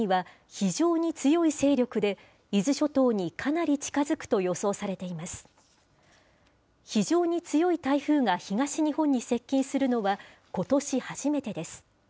非常に強い台風が東日本に接近するのは、ことし初めてです。